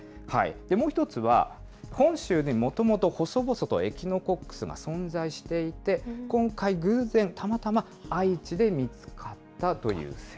もう１つは、本州にもともと細々とエキノコックスが存在していて、今回、偶然、たまたま愛知で見つかったという説。